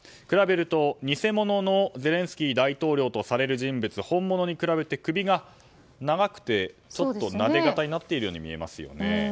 比べると偽物のゼレンスキー大統領とされる人物本物に比べて首が長くてちょっと、なで肩になっているように見えますよね。